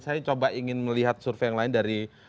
saya coba ingin melihat survei yang lain dari